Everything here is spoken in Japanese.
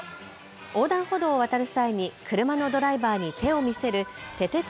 横断歩道を渡る際に車のドライバーに手を見せるててて！